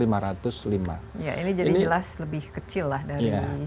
ya ini jadi jelas lebih kecil lah dari